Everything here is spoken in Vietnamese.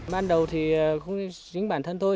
ban đầu thì không chính bản thân thôi